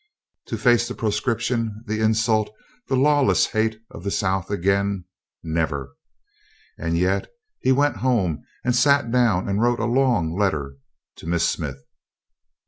To face the proscription, the insult, the lawless hate of the South again never! And yet he went home and sat down and wrote a long letter to Miss Smith.